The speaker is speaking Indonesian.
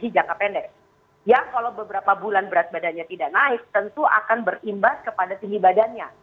jangka pendek yang kalau beberapa bulan berat badannya tidak naik tentu akan berimbas kepada tinggi badannya